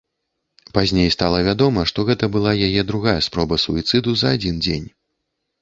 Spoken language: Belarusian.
Пазней стала вядома, што гэта была яе другая спроба суіцыду за адзін дзень.